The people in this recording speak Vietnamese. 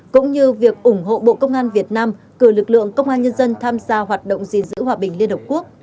cũng như việc ủng hộ bộ công an việt nam cử lực lượng công an nhân dân tham gia hoạt động gìn giữ hòa bình liên hợp quốc